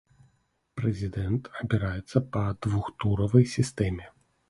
Прэзідэнт абіраецца па двухтуравой сістэме.